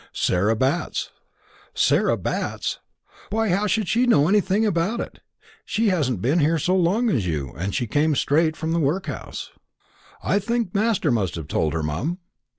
"Sarah Batts." "Sarah Batts! Why, how should she know anything about it? She hasn't been here so long as you; and she came straight from the workhouse." "I think master must have told her, mum."